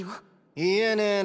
言えねェな。